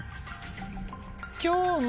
今日の。